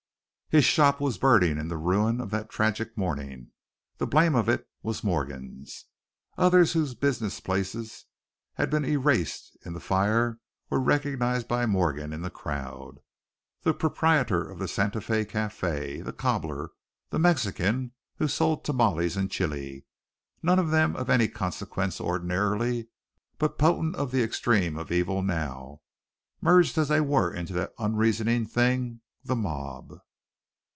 His shop was burning in the ruin of that tragic morning; the blame of it was Morgan's. Others whose business places had been erased in the fire were recognized by Morgan in the crowd. The proprietor of the Santa Fé café, the cobbler, the Mexican who sold tamales and chili none of them of any consequence ordinarily, but potent of the extreme of evil now, merged as they were into that unreasoning thing, the mob.